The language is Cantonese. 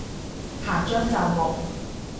行將就木